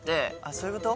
そういうこと？